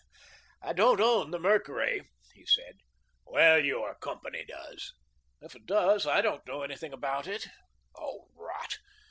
"I don't own the 'Mercury,'" he said. "Well, your company does." "If it does, I don't know anything about it." "Oh, rot!